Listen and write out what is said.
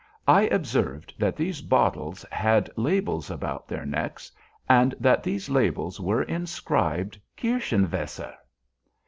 I observed that these bottles had labels about their necks, and that these labels were inscribed "Kirschenwässer."